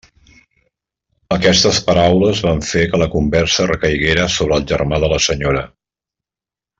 Aquestes paraules van fer que la conversa recaiguera sobre el germà de la senyora.